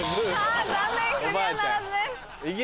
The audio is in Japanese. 残念クリアならずです。